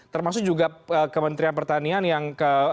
termasuk juga kementerian pertanian yang